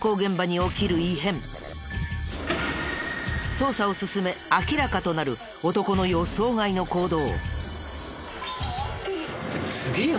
捜査を進め明らかとなる男の予想外の行動。